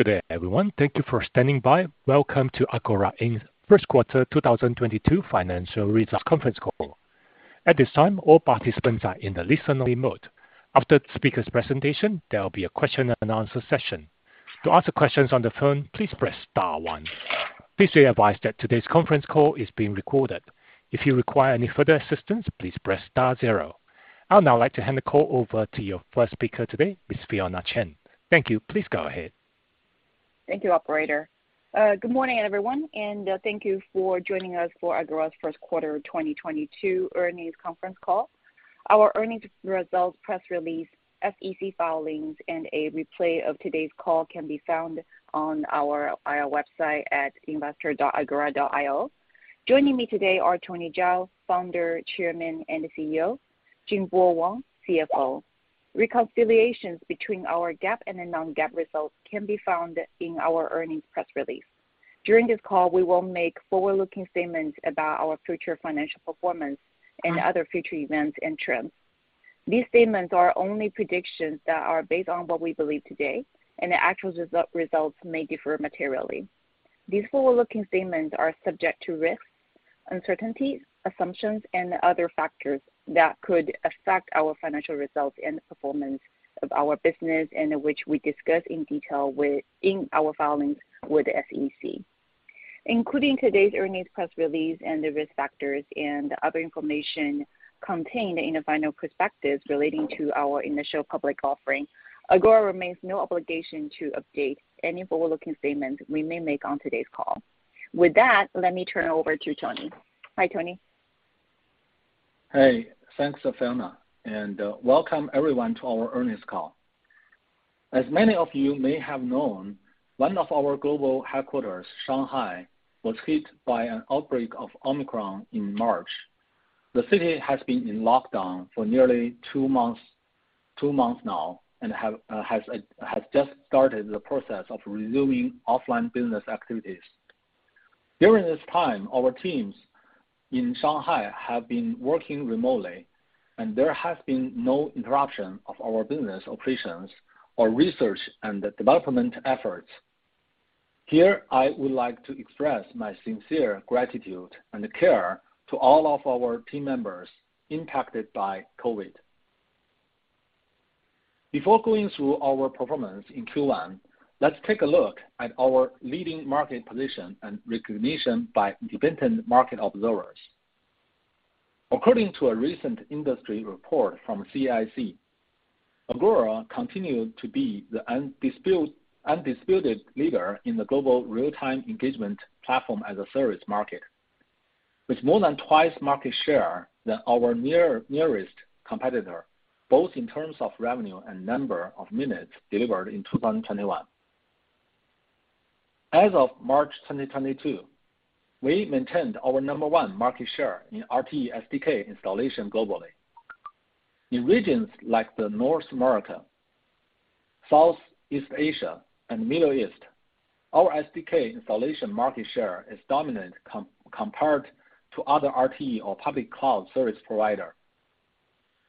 Good day everyone. Thank you for standing by. Welcome to Agora, Inc's first quarter 2022 financial results conference call. At this time, all participants are in the listen-only mode. After the speaker's presentation, there will be a question-and-answer session. To ask questions on the phone, please press star one. Please be advised that today's conference call is being recorded. If you require any further assistance, please press star zero. I'd now like to hand the call over to your first speaker today, Miss Fionna Chen. Thank you. Please go ahead. Thank you, operator. Good morning, everyone, and thank you for joining us for Agora's first quarter 2022 earnings conference call. Our earnings results press release, SEC filings, and a replay of today's call can be found on our IR website at investor.agora.io. Joining me today are Tony Zhao, Founder, Chairman, and CEO, Jingbo Wang, CFO. Reconciliations between our GAAP and non-GAAP results can be found in our earnings press release. During this call, we will make forward-looking statements about our future financial performance and other future events and trends. These statements are only predictions that are based on what we believe today, and the actual results may differ materially. These forward-looking statements are subject to risks, uncertainties, assumptions, and other factors that could affect our financial results and the performance of our business, and which we discuss in detail within our filings with the SEC. Including today's earnings press release and the risk factors and other information contained in the final prospectus relating to our initial public offering, Agora remains under no obligation to update any forward-looking statements we may make on today's call. With that, let me turn it over to Tony. Hi, Tony. Hey, thanks, Fiona, and welcome everyone to our earnings call. As many of you may have known, one of our global headquarters, Shanghai, was hit by an outbreak of Omicron in March. The city has been in lockdown for nearly two months now and has just started the process of resuming offline business activities. During this time, our teams in Shanghai have been working remotely, and there has been no interruption of our business operations or research and development efforts. Here, I would like to express my sincere gratitude and care to all of our team members impacted by COVID. Before going through our performance in Q1, let's take a look at our leading market position and recognition by independent market observers. According to a recent industry report from CIC, Agora continued to be the undisputed leader in the global real-time engagement platform as a service market, with more than twice market share than our nearest competitor, both in terms of revenue and number of minutes delivered in 2021. As of March 2022, we maintained our number one market share in RTE SDK installation globally. In regions like North America, Southeast Asia, and Middle East, our SDK installation market share is dominant compared to other RTE or public cloud service provider.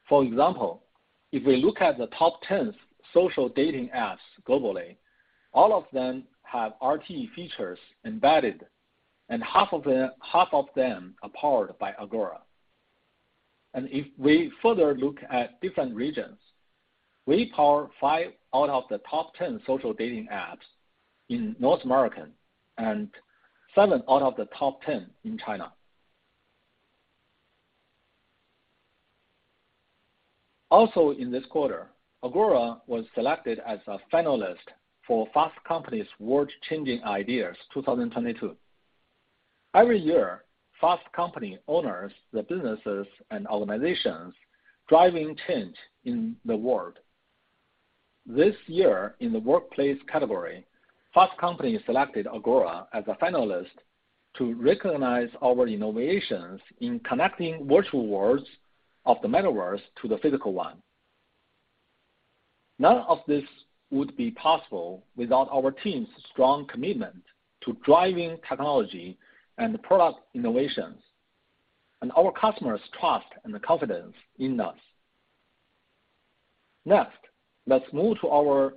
For example, if we look at the top 10 social dating apps globally, all of them have RTE features embedded, and half of them are powered by Agora. If we further look at different regions, we power five out of the top 10 social dating apps in North America, and seven out of the top 10 in China. Also in this quarter, Agora was selected as a finalist for Fast Company's World Changing Ideas 2022. Every year, Fast Company honors the businesses and organizations driving change in the world. This year, in the workplace category, Fast Company selected Agora as a finalist to recognize our innovations in connecting virtual worlds of the metaverse to the physical one. None of this would be possible without our team's strong commitment to driving technology and product innovations, and our customers' trust and confidence in us. Next, let's move to our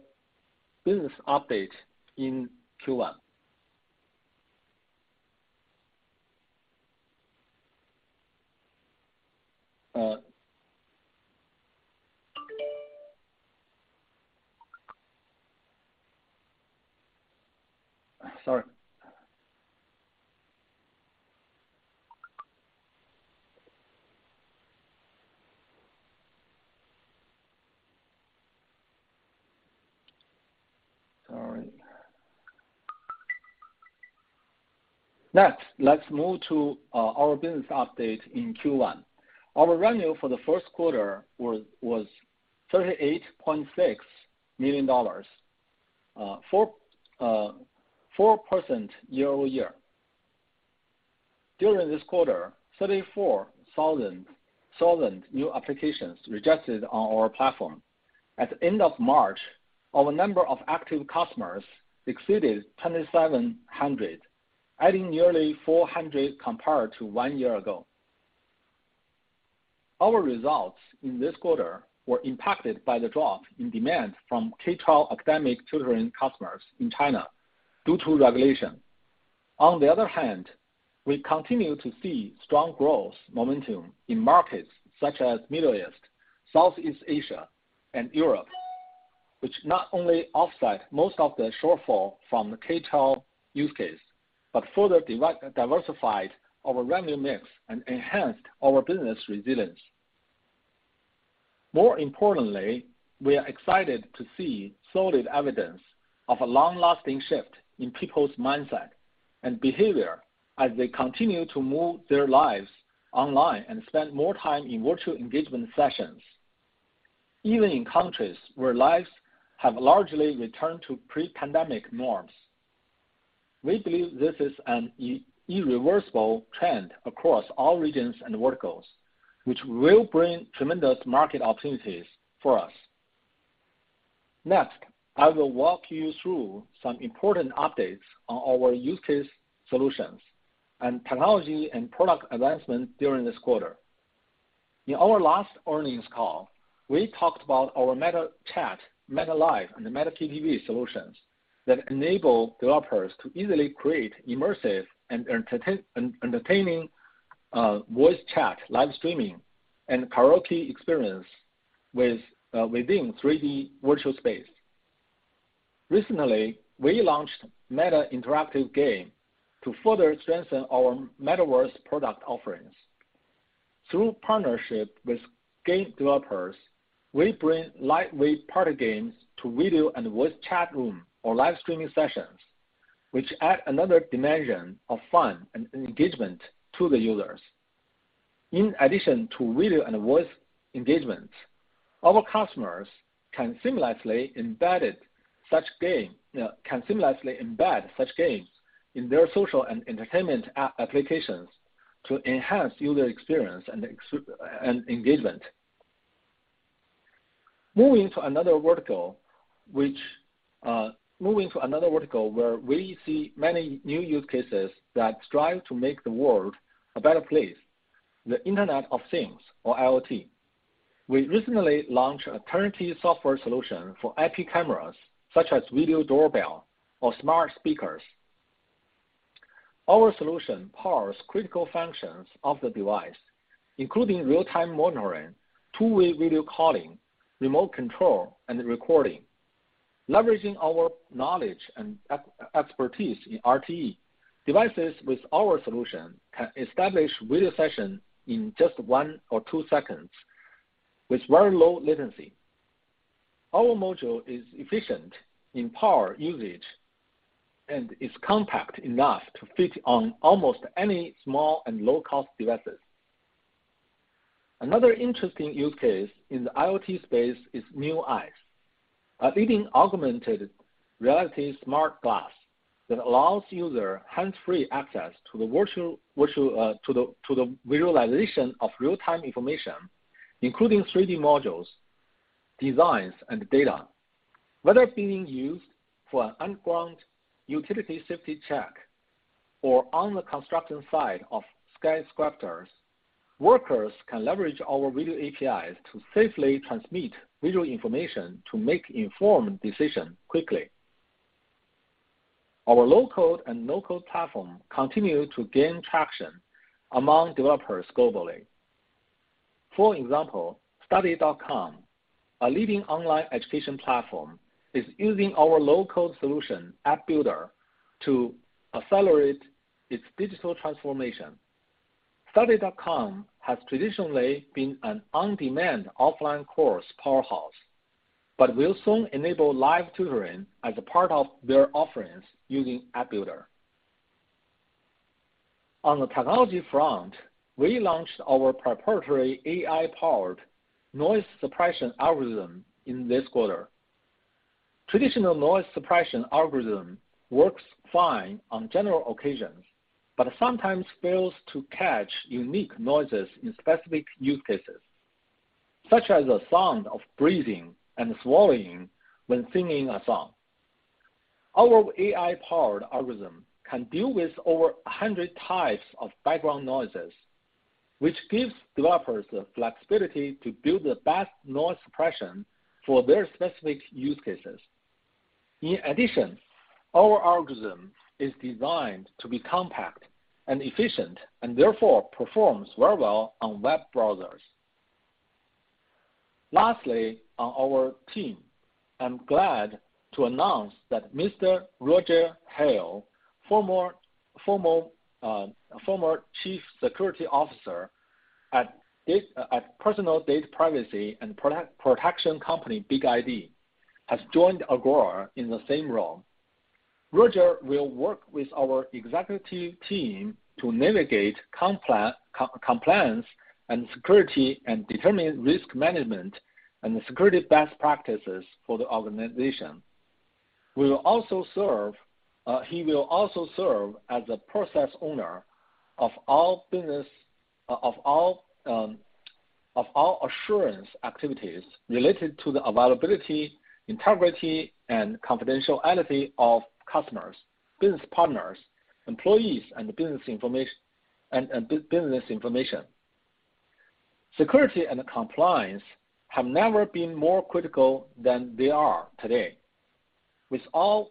business update in Q1. Our revenue for the first quarter was $38.6 million, 4% year-over-year. During this quarter, 34,000 new applications were registered on our platform. At end of March, our number of active customers exceeded 2,700, adding nearly 400 compared to one year ago. Our results in this quarter were impacted by the drop in demand from K-12 academic tutoring customers in China due to regulation. On the other hand, we continue to see strong growth momentum in markets such as Middle East, Southeast Asia, and Europe, which not only offset most of the shortfall from the K-12 use case, but further diversified our revenue mix and enhanced our business resilience. More importantly, we are excited to see solid evidence of a long-lasting shift in people's mindset and behavior as they continue to move their lives online and spend more time in virtual engagement sessions, even in countries where lives have largely returned to pre-pandemic norms. We believe this is an irreversible trend across all regions and verticals, which will bring tremendous market opportunities for us. Next, I will walk you through some important updates on our use case solutions and technology and product advancement during this quarter. In our last earnings call, we talked about our MetaChat, MetaLive and the MetaKTV solutions that enable developers to easily create immersive and entertaining voice chat, live streaming, and karaoke experience within 3D virtual space. Recently, we launched Interactive Gaming to further strengthen our metaverse product offerings. Through partnership with game developers, we bring lightweight party games to video and voice chat room or live streaming sessions, which add another dimension of fun and engagement to the users. In addition to video and voice engagement, our customers, you know, can seamlessly embed such games in their social and entertainment applications to enhance user experience and engagement. Moving to another vertical where we see many new use cases that strive to make the world a better place, the Internet of Things or IoT. We recently launched a turnkey software solution for IP cameras such as video doorbell or smart speakers. Our solution powers critical functions of the device, including real-time monitoring, two-way video calling, remote control, and recording. Leveraging our knowledge and expertise in RTE, devices with our solution can establish video session in just one or two seconds with very low latency. Our module is efficient in power usage and is compact enough to fit on almost any small and low-cost devices. Another interesting use case in the IoT space is Nreal, a leading augmented reality smart glass that allows user hands-free access to the virtual visualization of real-time information, including 3D modules, designs, and data. Whether being used for underground utility safety check or on the construction site of skyscrapers, workers can leverage our video APIs to safely transmit visual information to make informed decision quickly. Our low-code and no-code platform continue to gain traction among developers globally. For example, Study.com, a leading online education platform, is using our low-code solution, App Builder, to accelerate its digital transformation. Study.com has traditionally been an on-demand offline course powerhouse, but will soon enable live tutoring as a part of their offerings using App Builder. On the technology front, we launched our proprietary AI-powered noise suppression algorithm in this quarter. Traditional noise suppression algorithm works fine on general occasions, but sometimes fails to catch unique noises in specific use cases, such as the sound of breathing and swallowing when singing a song. Our AI-powered algorithm can deal with over 100 types of background noises, which gives developers the flexibility to build the best noise suppression for their specific use cases. In addition, our algorithm is designed to be compact and efficient, and therefore performs very well on web browsers. Lastly, on our team, I'm glad to announce that Mr. Roger Hale, former Chief Security Officer at a personal data privacy and protection company, BigID, has joined Agora in the same role. Roger will work with our executive team to navigate compliance and security and determine risk management and security best practices for the organization. He will also serve as the process owner of all assurance activities related to the availability, integrity, and confidentiality of customers, business partners, employees and business information. Security and compliance have never been more critical than they are today. With an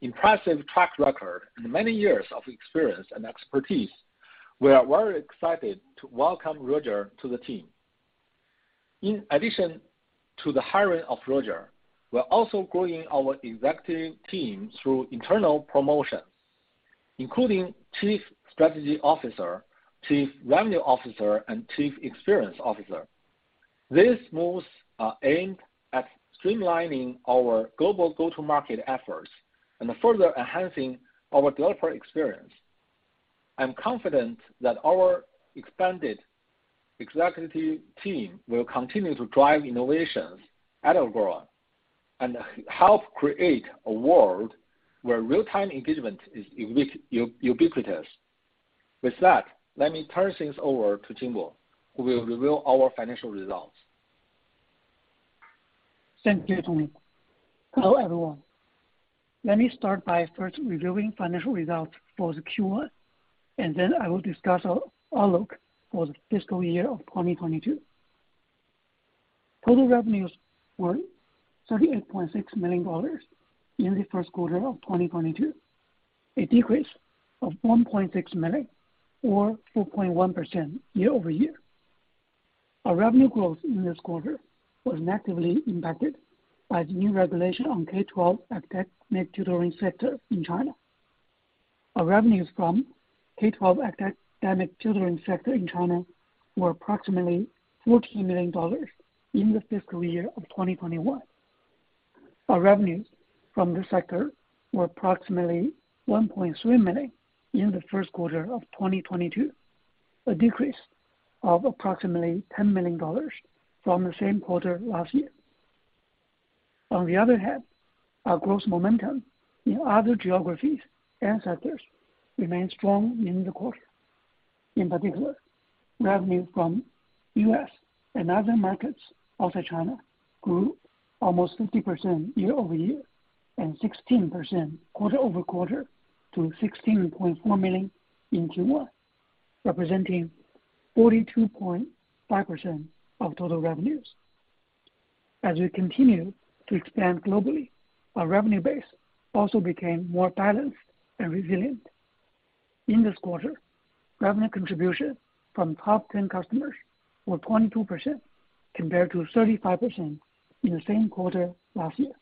impressive track record and many years of experience and expertise, we are very excited to welcome Roger to the team. In addition to the hiring of Roger, we're also growing our executive team through internal promotions, including Chief Strategy Officer, Chief Revenue Officer, and Chief Experience Officer. These moves are aimed at streamlining our global go-to-market efforts and further enhancing our developer experience. I'm confident that our expanded executive team will continue to drive innovations at Agora and help create a world where real-time engagement is ubiquitous. With that, let me turn things over to Jingbo, who will reveal our financial results. Thank you, Tony. Hello, everyone. Let me start by first reviewing financial results for the Q1, and then I will discuss our outlook for the fiscal year of 2022. Total revenues were $38.6 million in the first quarter of 2022, a decrease of $1.6 million or 4.1% year-over-year. Our revenue growth in this quarter was negatively impacted by the new regulation on K-12 academic tutoring sector in China. Our revenues from K-12 academic tutoring sector in China were approximately $14 million in the fiscal year of 2021. Our revenues from this sector were approximately $1.3 million in the first quarter of 2022, a decrease of approximately $10 million from the same quarter last year. On the other hand, our growth momentum in other geographies and sectors remained strong in the quarter. In particular, revenue from U.S. and other markets outside China grew almost 50% year-over-year and 16% quarter-over-quarter to $16.4 million in Q1, representing 42.5% of total revenues. As we continue to expand globally, our revenue base also became more balanced and resilient. In this quarter, revenue contribution from top 10 customers were 22% compared to 35% in the same quarter last year.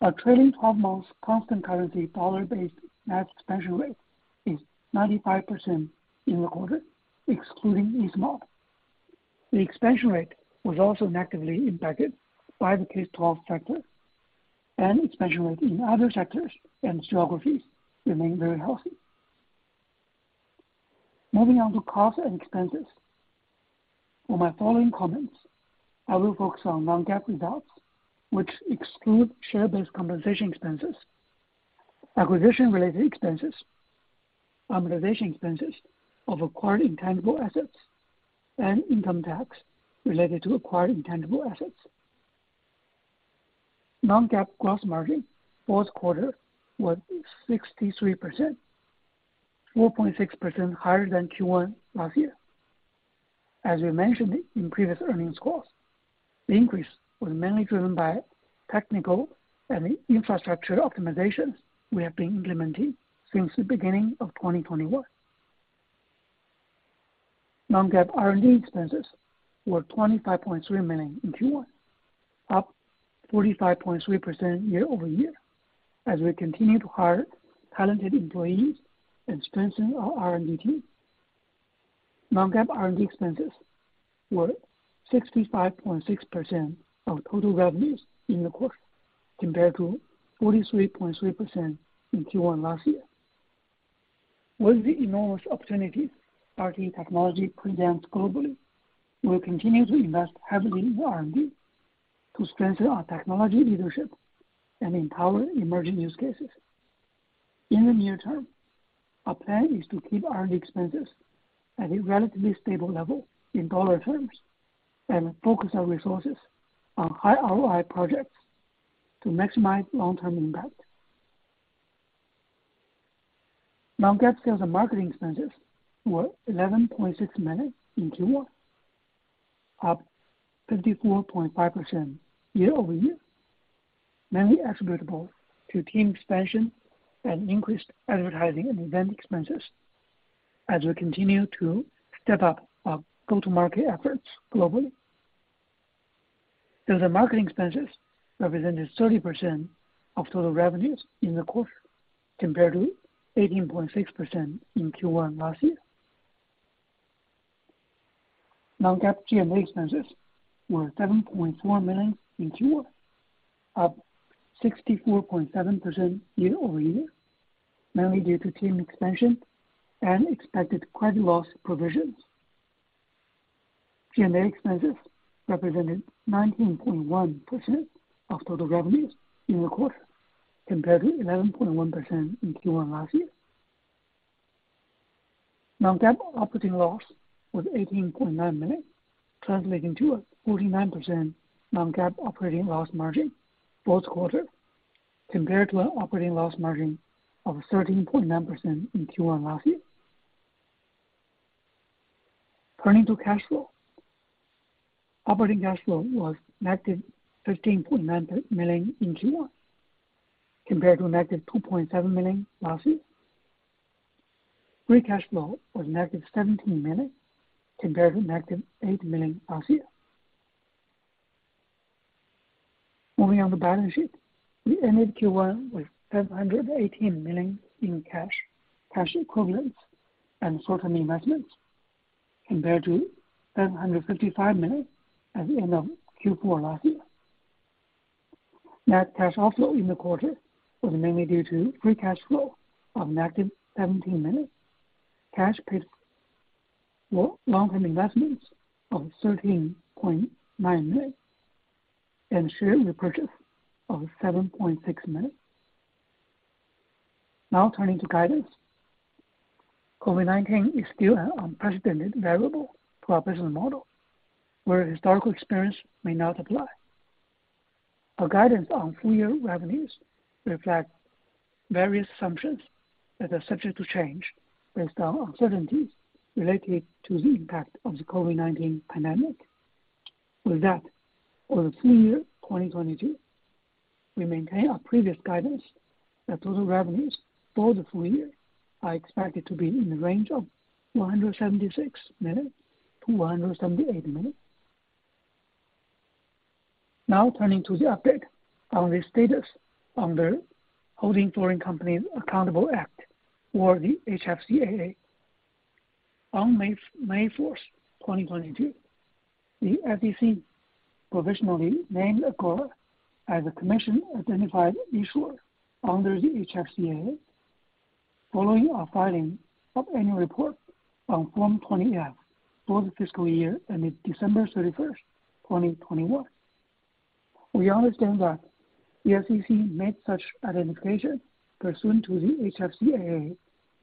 Our trailing 12 months constant currency dollar-based net expansion rate is 95% in the quarter, excluding Easemob. The expansion rate was also negatively impacted by the K-12 sector, and expansion rate in other sectors and geographies remained very healthy. Moving on to costs and expenses. For my following comments, I will focus on non-GAAP results, which exclude share-based compensation expenses, acquisition-related expenses, amortization expenses of acquired intangible assets, and income tax related to acquired intangible assets. Non-GAAP gross margin for this quarter was 63%, 4.6% higher than Q1 last year. As we mentioned in previous earnings calls, the increase was mainly driven by technical and infrastructure optimizations we have been implementing since the beginning of 2021. Non-GAAP R&D expenses were $25.3 million in Q1, up 45.3% year-over-year, as we continue to hire talented employees and strengthen our R&D team. Non-GAAP R&D expenses were 65.6% of total revenues in the quarter, compared to 43.3% in Q1 last year. With the enormous opportunity RTE technology presents globally, we will continue to invest heavily in R&D to strengthen our technology leadership and empower emerging use cases. In the near term, our plan is to keep R&D expenses at a relatively stable level in dollar terms and focus our resources on high ROI projects to maximize long-term impact. Non-GAAP sales and marketing expenses were $11.6 million in Q1, up 54.5% year-over-year, mainly attributable to team expansion and increased advertising and event expenses as we continue to step up our go-to-market efforts globally. Sales and marketing expenses represented 30% of total revenues in the quarter, compared to 18.6% in Q1 last year. Non-GAAP G&A expenses were $7.4 million in Q1, up 64.7% year-over-year, mainly due to team expansion and expected credit loss provisions. G&A expenses represented 19.1% of total revenues in the quarter, compared to 11.1% in Q1 last year. Non-GAAP operating loss was -$18.9 million, translating to a 49% non-GAAP operating loss margin for this quarter compared to an operating loss margin of 13.9% in Q1 last year. Turning to cash flow. Operating cash flow was -$15.9 million in Q1 compared to a -$2.7 million last year. Free cash flow was -$17 million compared to -$8 million last year. Moving on to balance sheet. We ended Q1 with $718 million in cash equivalents, and short-term investments compared to $755 million at the end of Q4 last year. Net cash outflow in the quarter was mainly due to free cash flow of negative $17 million, cash paid long-term investments of $13.9 million, and share repurchase of $7.6 million. Now turning to guidance. COVID-19 is still an unprecedented variable to our business model, where historical experience may not apply. Our guidance on full-year revenues reflect various assumptions that are subject to change based on uncertainties related to the impact of the COVID-19 pandemic. With that, for the full-year 2022, we maintain our previous guidance that total revenues for the full-year are expected to be in the range of $176 million-$178 million. Now turning to the update on the status on the Holding Foreign Companies Accountable Act, or the HFCAA. On May 4th, 2022, the SEC provisionally named Agora as a commission-identified issuer under the HFCAA following our filing of annual report on Form 20-F for the fiscal year ending December 31st, 2021. We understand that the SEC made such identification pursuant to the HFCAA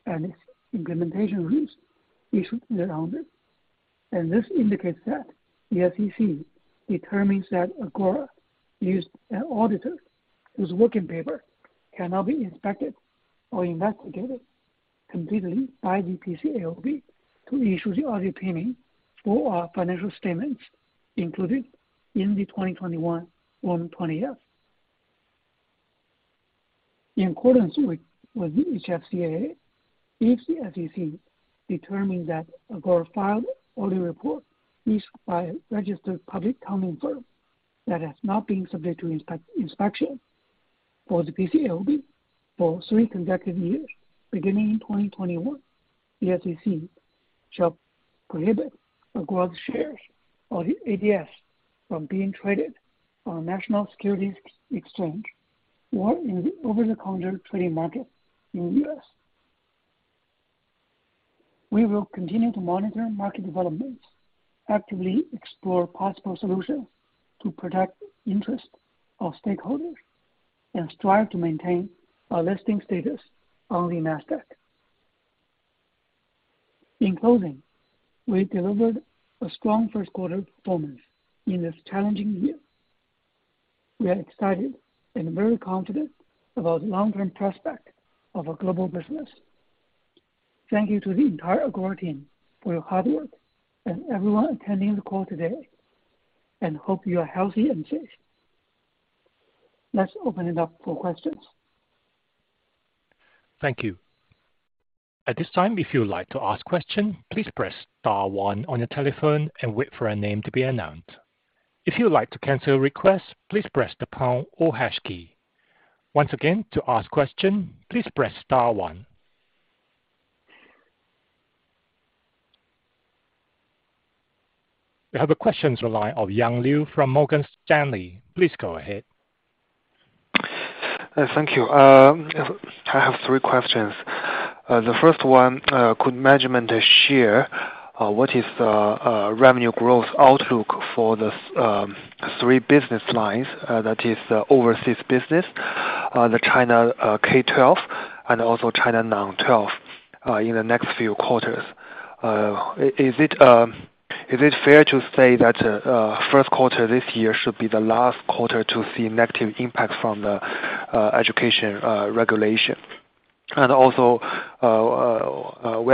and its implementation rules issued around it. This indicates that the SEC determines that Agora used an auditor whose working paper cannot be inspected or investigated completely by the PCAOB to issue the audit opinion for our financial statements included in the 2021 Form 20-F. In accordance with the HFCAA, if the SEC determines that Agora filed audit report issued by a registered public accounting firm that has not been subject to inspection for the PCAOB for three consecutive years beginning in 2021, the SEC shall prohibit Agora shares or the ADS from being traded on a national securities exchange or in the over-the-counter trading market in the U.S. We will continue to monitor market developments, actively explore possible solutions to protect interest of stakeholders, and strive to maintain our listing status on the NASDAQ. In closing, we delivered a strong first quarter performance in this challenging year. We are excited and very confident about long-term prospect of our global business. Thank you to the entire Agora team for your hard work and everyone attending the call today, and hope you are healthy and safe. Let's open it up for questions. Thank you. At this time, if you would like to ask a question, please press star one on your telephone and wait for a name to be announced. If you would like to cancel a request, please press the pound or hash key. Once again, to ask a question, please press star one. We have a question online from Yang Liu from Morgan Stanley. Please go ahead. Thank you. I have three questions. The first one, could management share what is the revenue growth outlook for the three business lines, that is overseas business, the China K-12 and also China non-K-12, in the next few quarters? Is it fair to say that first quarter this year should be the last quarter to see negative impact from the education regulation? We are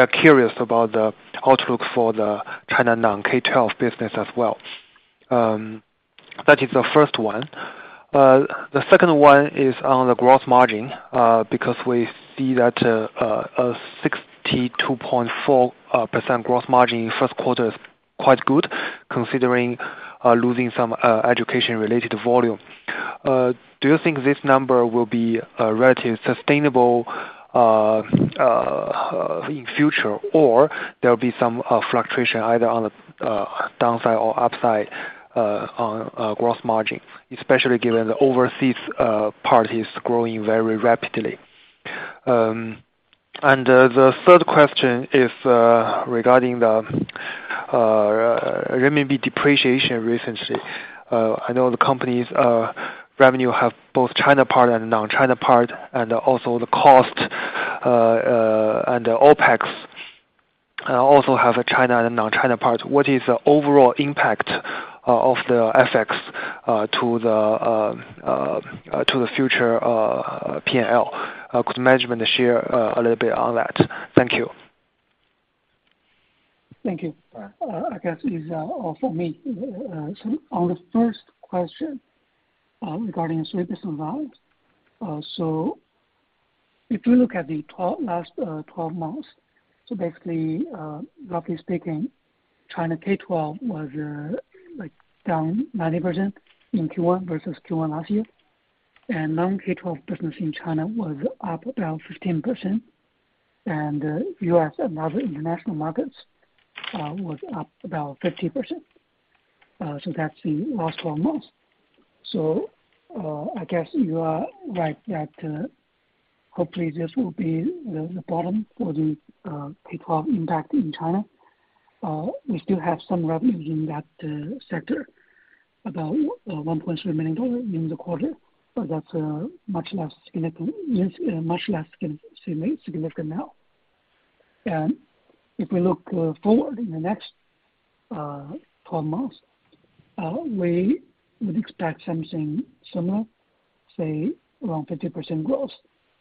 curious about the outlook for the China non-K-12 business as well. That is the first one. The second one is on the gross margin, because we see that a 62.4% gross margin in first quarter is quite good considering losing some education-related volume. Do you think this number will be relatively sustainable in future or there'll be some fluctuation either on the downside or upside on gross margin, especially given the overseas parties growing very rapidly? The third question is regarding the renminbi depreciation recently. I know the company's revenue have both China part and non-China part, and also the cost and OpEx also have a China and non-China part. What is the overall impact of the effects to the future P&L? Could management share a little bit on that? Thank you. Thank you. I guess it's for me. On the first question, regarding service environment, if you look at the last 12 months, basically, roughly speaking, China K-12 was like down 90% in Q1 versus Q1 last year. Non-K-12 business in China was up around 15%, and U.S. and other international markets was up about 50%. That's the last four months. I guess you are right that hopefully this will be the bottom for the K-12 impact in China. We still have some revenues in that sector, about $1.3 million in the quarter, but that's much less significant now. If we look forward in the next 12 months, we would expect something similar, say, around 50% growth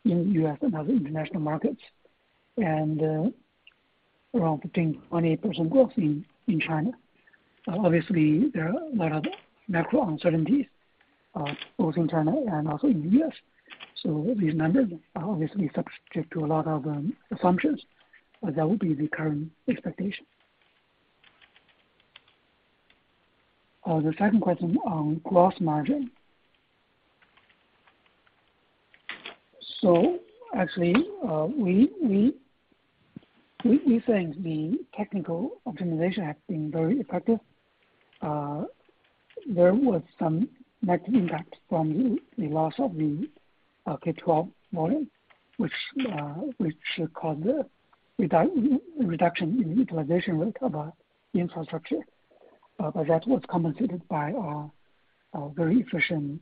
in the U.S. and other international markets, and around 15%-28% growth in China. Obviously, there are a lot of macro uncertainties both in China and also in U.S. These numbers are obviously subject to a lot of assumptions, but that would be the current expectation. The second question on gross margin. Actually, we think the technical optimization has been very effective. There was some net impact from the loss of the K-12 model, which caused a reduction in utilization rate of our infrastructure. But that was compensated by very efficient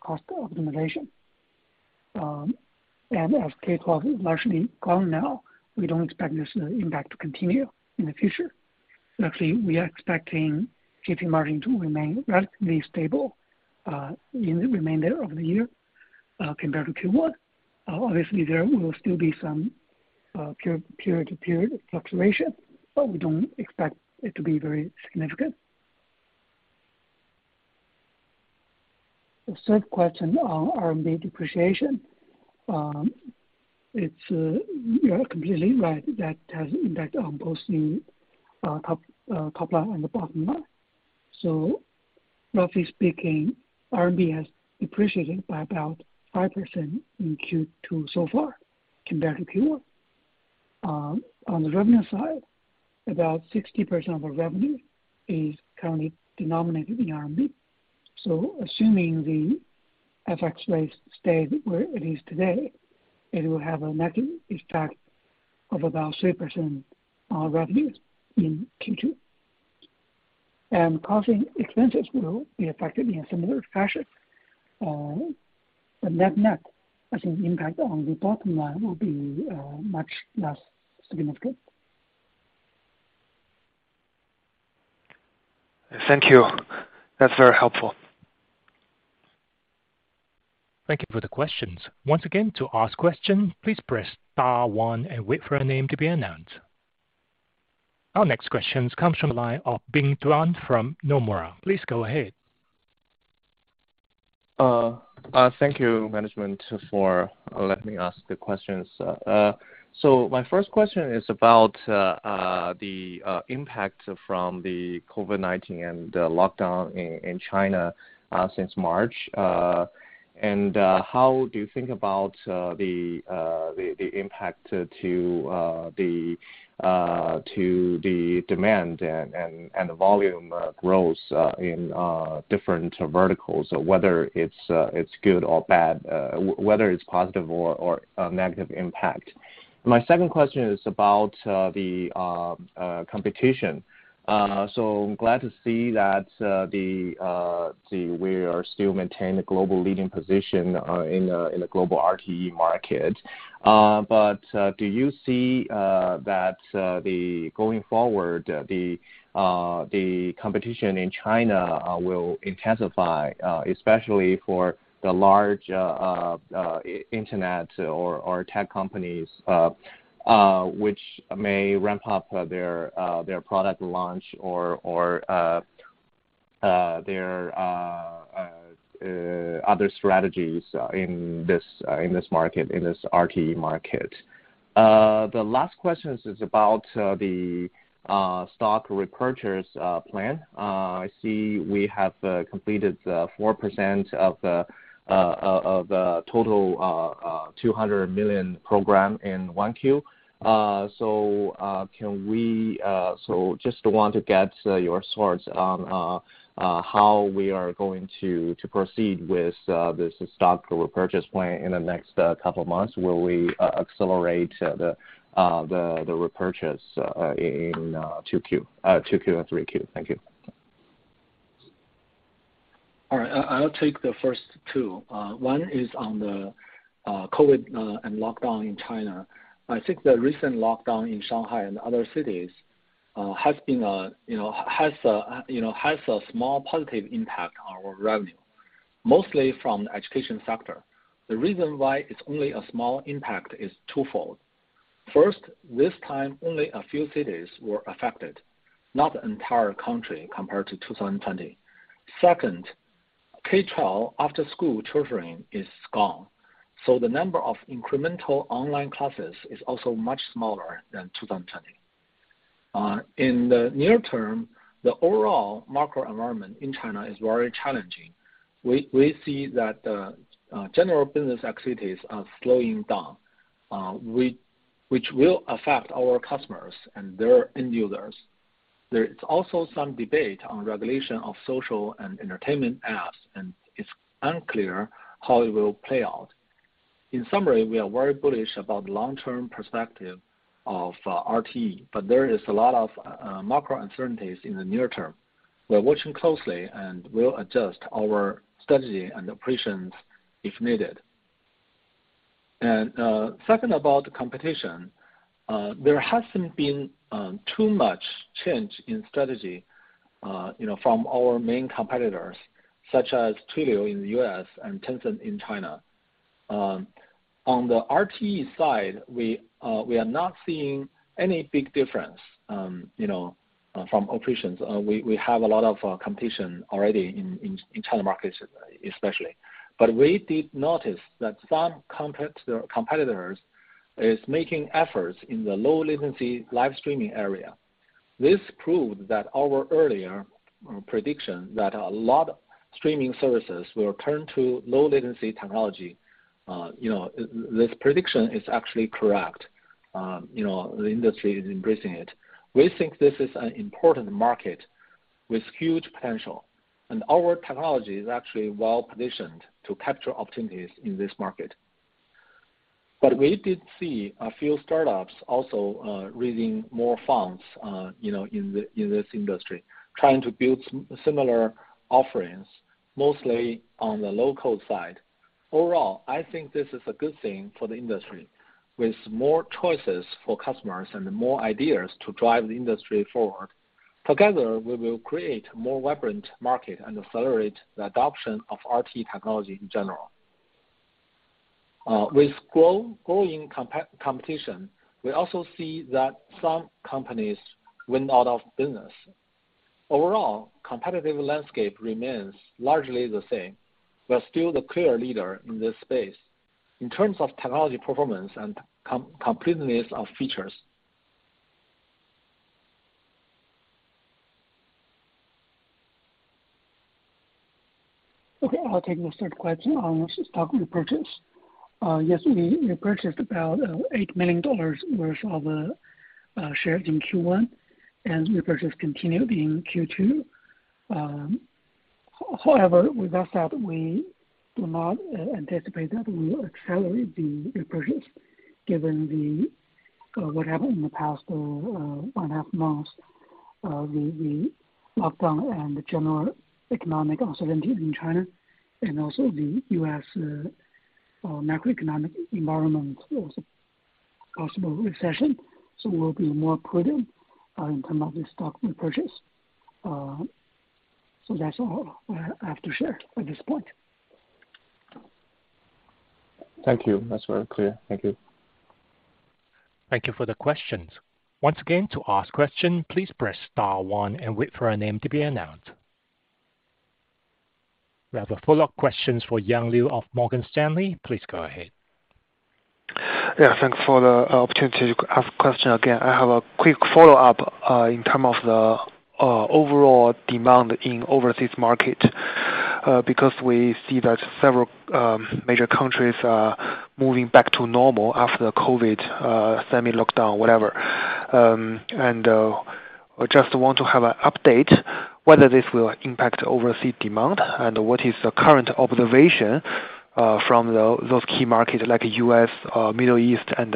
cost optimization. As K-12 is largely gone now, we don't expect this impact to continue in the future. Actually, we are expecting GP margin to remain relatively stable in the remainder of the year compared to Q1. Obviously, there will still be some period-to-period fluctuation, but we don't expect it to be very significant. The third question on RMB depreciation. It's you're completely right that it has impact on both the top line and the bottom line. Roughly speaking, RMB has depreciated by about 5% in Q2 so far compared to Q1. On the revenue side, about 60% of our revenue is currently denominated in RMB. Assuming the FX rates stay where it is today, it will have a net impact of about 3% on revenues in Q2. Costing expenses will be affected in a similar fashion. Net-net, I think the impact on the bottom line will be much less significant. Thank you. That's very helpful. Thank you for the questions. Once again, to ask a question, please press star one and wait for your name to be announced. Our next question comes from the line of Bing Duan from Nomura. Please go ahead. Thank you management for letting me ask the questions. My first question is about the impact from the COVID-19 and the lockdown in China since March. How do you think about the impact to the demand and the volume grows in different verticals, whether it's good or bad, whether it's positive or negative impact? My second question is about the competition. I'm glad to see that we are still maintain the global leading position in the global RTE market. Do you see that going forward the competition in China will intensify especially for the large internet or tech companies which may ramp up their product launch or their other strategies in this market in this RTE market? The last question is about the stock repurchase plan. I see we have completed 4% of the total $200 million program in 1Q. Just want to get your thoughts on how we are going to proceed with this stock repurchase plan in the next couple of months. Will we accelerate the repurchase in 2Q and 3Q? Thank you. All right. I'll take the first two. One is on the COVID and lockdown in China. I think the recent lockdown in Shanghai and other cities has a small positive impact on our revenue, mostly from the education sector. The reason why it's only a small impact is twofold. First, this time only a few cities were affected, not the entire country compared to 2020. Second, K-12 after school tutoring is gone, so the number of incremental online classes is also much smaller than 2020. In the near term, the overall macro environment in China is very challenging. We see that the general business activities are slowing down, which will affect our customers and their end users. There is also some debate on regulation of social and entertainment apps, and it's unclear how it will play out. In summary, we are very bullish about long-term perspective of RTE, but there is a lot of macro uncertainties in the near term. We're watching closely and will adjust our strategy and operations if needed. Second about the competition, there hasn't been too much change in strategy, you know, from our main competitors such as Twilio in the U.S. and Tencent in China. On the RTE side, we are not seeing any big difference, you know, from operations. We have a lot of competition already in China markets especially. We did notice that some competitors is making efforts in the low latency live streaming area. This proved that our earlier prediction that a lot of streaming services will turn to low latency technology. You know, this prediction is actually correct. You know, the industry is embracing it. We think this is an important market with huge potential, and our technology is actually well-positioned to capture opportunities in this market. We did see a few startups also raising more funds, you know, in this industry, trying to build similar offerings mostly on the low-code side. Overall, I think this is a good thing for the industry with more choices for customers and more ideas to drive the industry forward. Together, we will create more vibrant market and accelerate the adoption of RTE technology in general. With growing competition, we also see that some companies went out of business. Overall, competitive landscape remains largely the same. We're still the clear leader in this space in terms of technology performance and completeness of features. Okay. I'll take the third question on stock repurchase. Yes, we repurchased about $8 million worth of shares in Q1, and repurchase continued in Q2. However, with that said, we do not anticipate that we will accelerate the repurchase given what happened in the past 1.5 Months of the lockdown and the general economic uncertainty in China and also the U.S. macroeconomic environment, also possible recession. We'll be more prudent in term of the stock repurchase. That's all I have to share at this point. Thank you. That's very clear. Thank you. Thank you for the questions. Once again, to ask question, please press star one and wait for your name to be announced. We have a follow-up questions for Yang Liu of Morgan Stanley. Please go ahead. Yeah. Thank you for the opportunity to ask question again. I have a quick follow-up in terms of the overall demand in overseas market because we see that several major countries are moving back to normal after COVID semi-lockdown, whatever. I just want to have an update whether this will impact overseas demand and what is the current observation from those key markets like U.S., Middle East and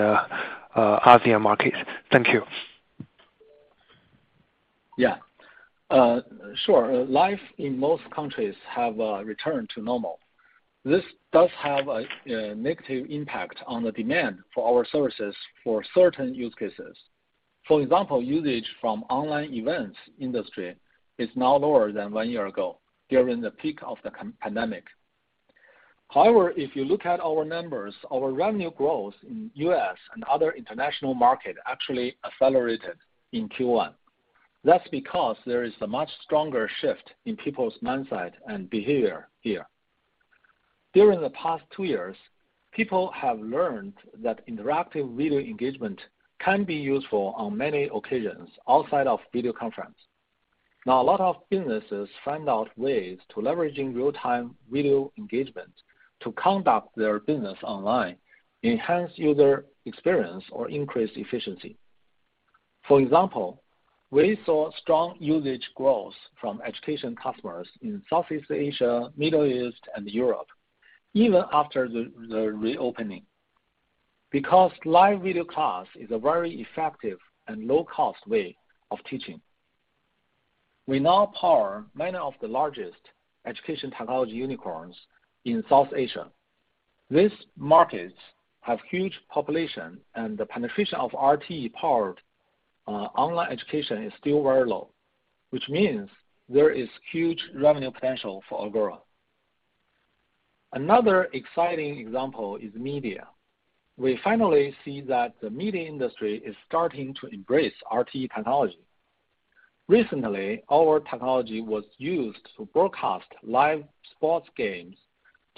Asian markets. Thank you. Yeah. Sure. Life in most countries have returned to normal. This does have a negative impact on the demand for our services for certain use cases. For example, usage from online events industry is now lower than one year ago during the peak of the COVID-19 pandemic. However, if you look at our numbers, our revenue growth in U.S. and other international market actually accelerated in Q1. That's because there is a much stronger shift in people's mindset and behavior here. During the past two years, people have learned that interactive video engagement can be useful on many occasions outside of video conference. Now a lot of businesses find out ways to leveraging real-time video engagement to conduct their business online, enhance user experience or increase efficiency. For example, we saw strong usage growth from education customers in Southeast Asia, Middle East, and Europe, even after the reopening. Because live video class is a very effective and low-cost way of teaching. We now power many of the largest education technology unicorns in Southeast Asia. These markets have huge population, and the penetration of RTE-powered online education is still very low, which means there is huge revenue potential for Agora. Another exciting example is media. We finally see that the media industry is starting to embrace RTE technology. Recently, our technology was used to broadcast live sports games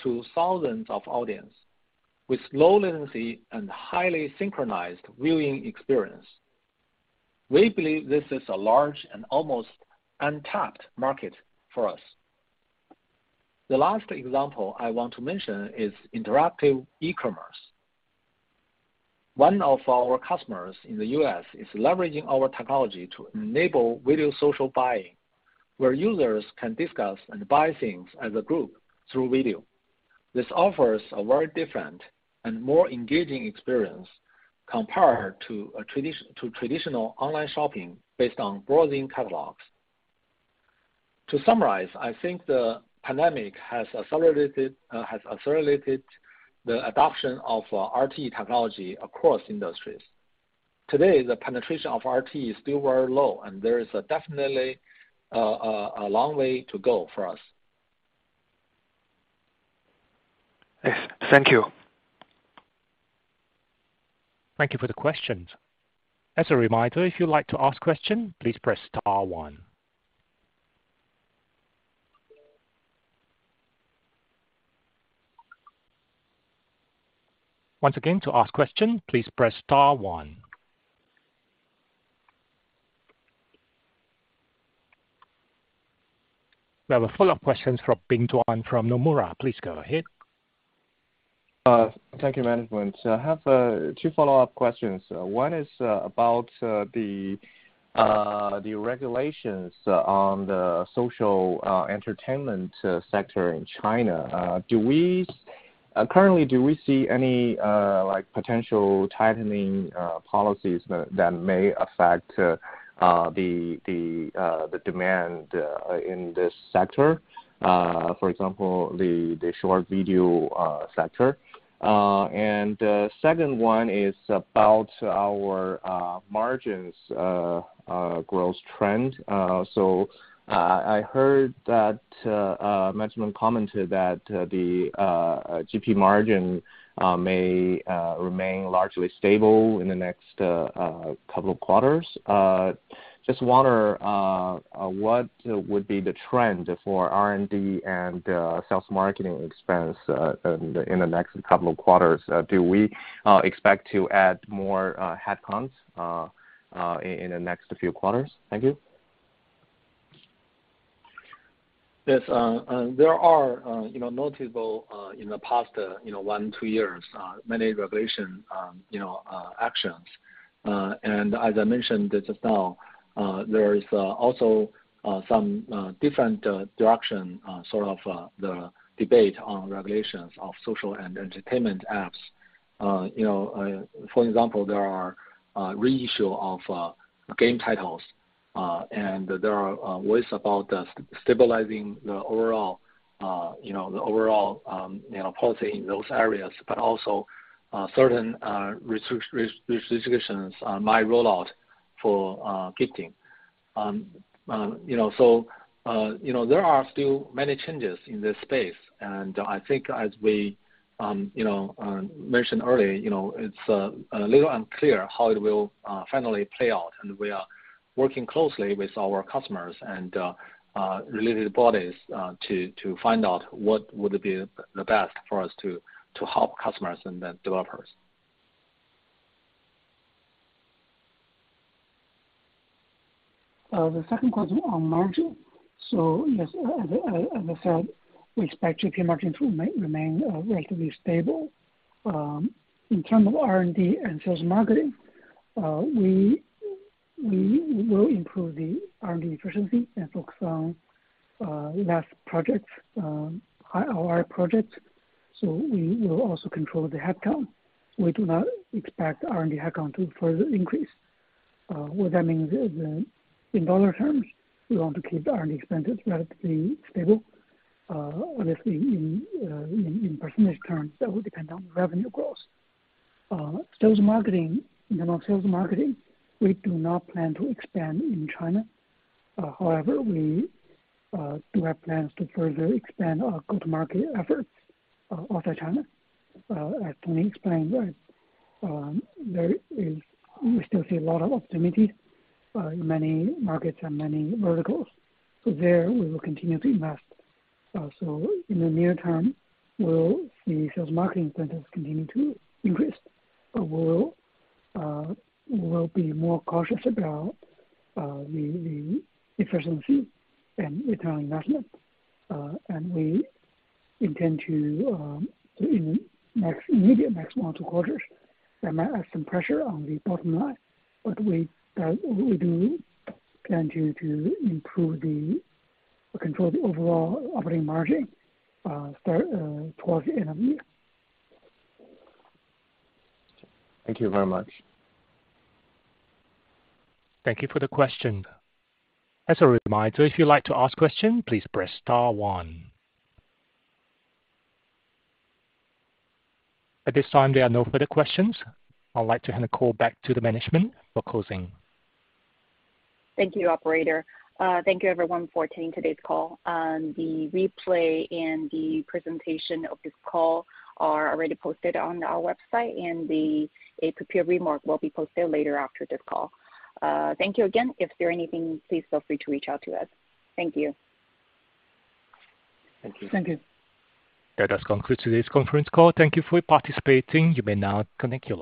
to thousands of audience with low latency and highly synchronized viewing experience. We believe this is a large and almost untapped market for us. The last example I want to mention is interactive e-commerce. One of our customers in the U.S. is leveraging our technology to enable video social buying, where users can discuss and buy things as a group through video. This offers a very different and more engaging experience compared to traditional online shopping based on browsing catalogs. To summarize, I think the pandemic has accelerated the adoption of RTE technology across industries. Today, the penetration of RTE is still very low, and there is definitely a long way to go for us. Yes, thank you. Thank you for the questions. As a reminder, if you'd like to ask question, please press star one. Once again, to ask question, please press star one. We have a follow-up question from Bing Duan from Nomura. Please go ahead. Thank you, management. I have two follow-up questions. One is about the regulations on the social entertainment sector in China. Currently, do we see any like potential tightening policies that may affect the demand in this sector, for example, the short video sector? The second one is about our margins growth trend. I heard that management commented that the GP margin may remain largely stable in the next couple of quarters. Just wonder what would be the trend for R&D and sales marketing expense in the next couple of quarters. Do we expect to add more headcounts in the next few quarters? Thank you. Yes. There are, you know, notable in the past, you know, one or two years, many regulatory actions. As I mentioned just now, there is also some different direction, sort of the debate on regulations of social and entertainment apps. You know, for example, there are reissue of game titles, and there are ways about stabilizing the overall policy in those areas, but also certain restrictions may roll out for gifting. You know, there are still many changes in this space, and I think as we mentioned earlier, you know, it's a little unclear how it will finally play out. We are working closely with our customers and related bodies to find out what would be the best for us to help customers and the developers. The second question on margin. As I said, we expect GP margin to remain relatively stable. In terms of R&D and sales marketing, we will improve the R&D efficiency and focus on less projects, higher ROI projects, so we will also control the headcount. We do not expect R&D headcount to further increase. What that means is in dollar terms, we want to keep R&D expenses relatively stable. Obviously in percentage terms, that will depend on revenue growth. Sales and marketing, you know, we do not plan to expand in China. However, we do have plans to further expand our go-to-market efforts outside China. As Tony explained, we still see a lot of opportunity in many markets and many verticals. There, we will continue to invest. In the near term, sales and marketing expenses will continue to increase. We'll be more cautious about the efficiency and return on investment, and we intend to, in the next one, two quarters, that might add some pressure on the bottom line. We do plan to improve or control the overall operating margin towards the end of the year. Thank you very much. Thank you for the question. As a reminder, if you'd like to ask question, please press star one. At this time, there are no further questions. I'd like to hand the call back to the management for closing. Thank you, operator. Thank you everyone for attending today's call. The replay and the presentation of this call are already posted on our website, and the prepared remarks will be posted later after this call. Thank you again. If there's anything, please feel free to reach out to us. Thank you. Thank you. Thank you. That does conclude today's conference call. Thank you for participating. You may now disconnect your line.